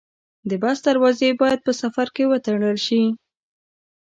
د بس دروازې باید په سفر کې وتړل شي.